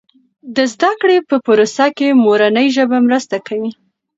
د زده کړې په پروسه کې مورنۍ ژبه مرسته کوي.